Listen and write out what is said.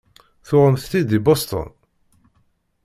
Tuɣemt-tt-id deg Boston?